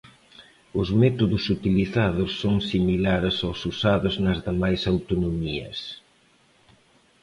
Os métodos utilizados son similares aos usados nas demais autonomías.